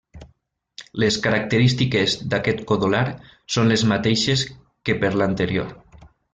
Les característiques d'aquest codolar són les mateixes que per l'anterior.